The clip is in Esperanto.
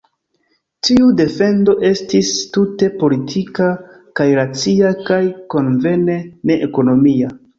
Tiu defendo estis tute politika kaj racia, kaj konvene ne-ekonomia.